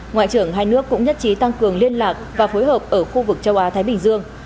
ngoại trưởng hai nước cũng nhất trí tăng cường liên lạc và phối hợp ở khu vực châu á thái bình dương